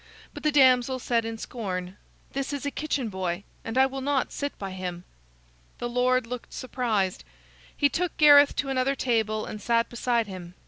But the damsel said in scorn: "This is a kitchen boy, and I will not sit by him." The lord looked surprised. He took Gareth to another table and sat beside him.